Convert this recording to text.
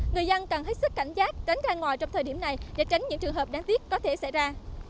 người dân cần hết sức cảnh giác tránh ra ngoài trong thời điểm này để tránh những trường hợp đáng tiếc có thể xảy ra